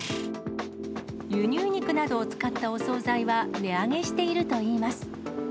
輸入肉などを使ったお総菜は値上げしているといいます。